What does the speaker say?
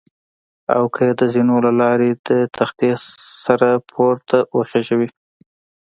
او که مې د زینو له لارې د تختې سره پورته وخېژوي.